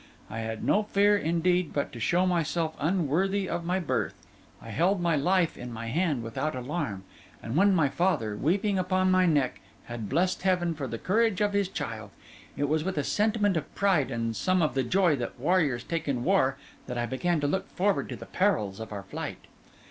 I had no fear, indeed, but to show myself unworthy of my birth; I held my life in my hand without alarm; and when my father, weeping upon my neck, had blessed Heaven for the courage of his child, it was with a sentiment of pride and some of the joy that warriors take in war, that I began to look forward to the perils of our flight.